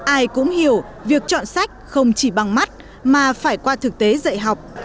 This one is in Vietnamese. ai cũng hiểu việc chọn sách không chỉ bằng mắt mà phải qua thực tế dạy học